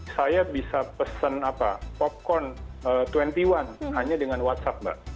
saya bisa pesen apa popcorn dua puluh satu hanya dengan whatsapp mbak